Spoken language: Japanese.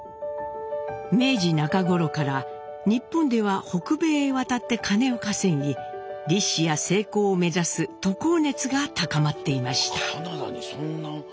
明治中頃から日本では北米へ渡って金を稼ぎ立志や成功を目指す渡航熱が高まっていました。